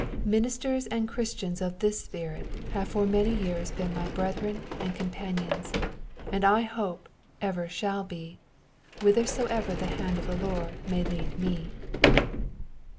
Ministers and Chris tians of this spirit, have for many years been my brethren and companions, and I hope ever shall be, whithersoever the hand of the Lord may lead me.'